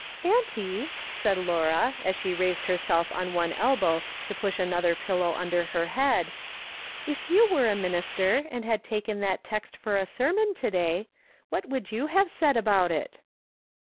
"" Auntie," said Laura, as she raised herself on one elbow to push another pillow under her head, " if you were a minister, and had taken that text for a ser mon to day, what would you have said about it